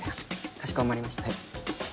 かしこまりました。